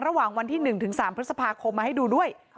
ระหว่างวันที่๑ถึง๓พฤษภาคมมาให้ดูด้วย